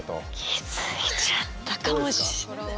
気付いちゃったかもしれない。